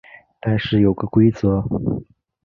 但是有个规则